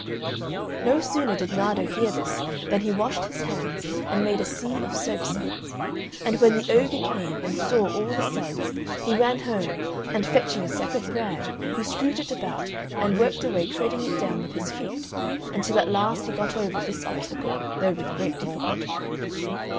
No sooner did Nardo hear this than he washed his hands and made a sea of soap suds; and when the ogre came and saw all the suds he ran home and fetching a sack of bran he strewed it about and worked away treading it down with his feet until at last he got over this obstacle, though with great difficulty.